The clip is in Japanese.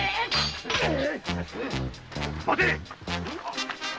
・待て！